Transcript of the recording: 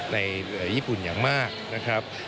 ในญี่ปุ่นอย่างมากนะครับ